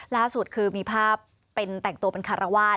ล่าสุดคือมีภาพเป็นแต่งตัวเป็นคารวาส